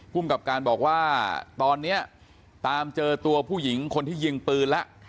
ภูมิกับการบอกว่าตอนนี้ตามเจอตัวผู้หญิงคนที่ยิงปืนแล้ว